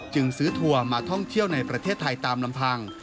จึงซื้อทัวร์มาท่องเที่ยวในประเทศไทยตามลำพัง